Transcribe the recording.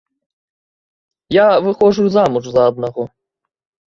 Я выходжу замуж за аднаго.